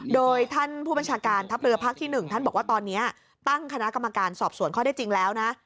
โดยท่านผู้บัญชาการทัพเรือภาคที่๑ท่านบอกว่าตอนนี้ตั้งคณะกรรมการสอบสวนข้อได้จริงแล้วนะ